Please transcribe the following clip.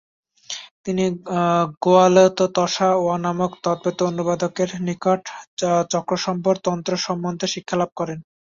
তিনি র্গোয়া-লো-ত্সা-ওয়া নামক তিব্বতী অনুবাদকের নিকট চক্রসম্বর তন্ত্র সম্বন্ধে শিক্ষালাভ করেন।